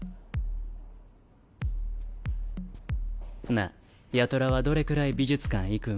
なあ八虎はどれくらい美術館行くん？